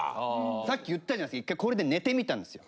さっき言ったじゃないですか１回これで寝てみたんですよ。